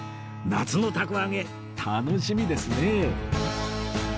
夏の凧揚げ楽しみですね